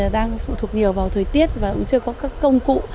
đang phụ thuộc nhiều vào thời tiết và cũng chưa có các công cụ